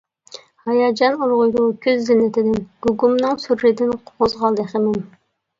ھاياجان ئۇرغۇيدۇ كۈز زىننىتىدىن، گۇگۇمنىڭ سۈرىدىن قوزغالدى غېمىم.